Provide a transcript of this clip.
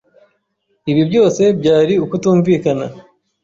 Ibi byose byari ukutumvikana.